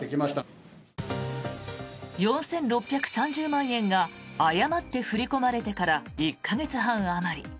４６３０万円が誤って振り込まれてから１か月半あまり。